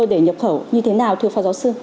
để nhập khẩu như thế nào thưa phó giáo sư